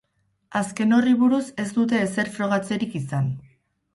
Azken horri buruz ez dute ezer frogatzerik izan.